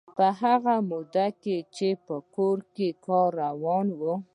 په هغه موده کې چې په کور کې کار روان و.